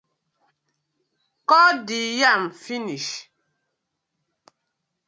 Kot de yam finish.